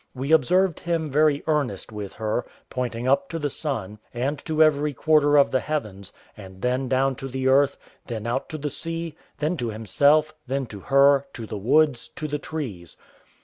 We observed him very earnest with her, pointing up to the sun, and to every quarter of the heavens, and then down to the earth, then out to the sea, then to himself, then to her, to the woods, to the trees.